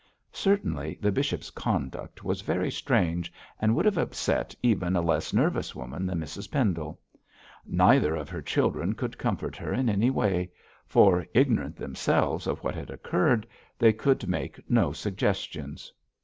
Certainly the bishop's conduct was very strange, and would have upset even a less nervous woman than Mrs Pendle. Neither of her children could comfort her in any way, for, ignorant themselves of what had occurred, they could make no suggestions.